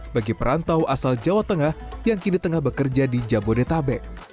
bagi perantau asal jawa tengah yang kini tengah bekerja di jabodetabek